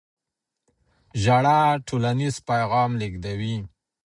ژړا ټولنیز پیغام لېږدوي.